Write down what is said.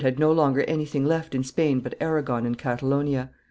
had no longer anything left in Spain but Aragon and Catalonia.